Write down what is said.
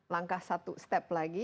langkah satu step lagi